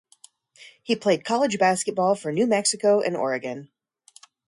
He played college basketball for New Mexico and Oregon.